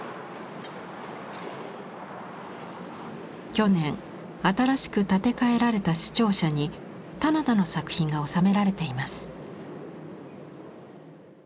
去年新しく建て替えられた市庁舎に棚田の作品がおさめられています。